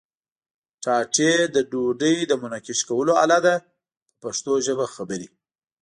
ټاټې د ډوډۍ د منقش کولو آله ده په پښتو ژبه خبرې.